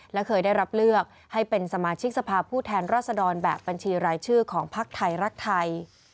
และเคยได้รับเลือกให้เป็นสมาชิกสภาพผู้แทนรัศดรแบบบัญชีรายชื่อของภักดิ์ไทยรักไทย